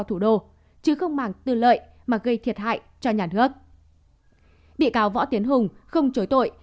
thủ đô chứ không mảng tư lợi mà gây thiệt hại cho nhà nước bị cáo võ tiến hùng không chối tội